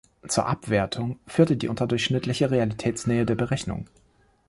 Zur Abwertung führte die unterdurchschnittliche Realitätsnähe der Berechnung.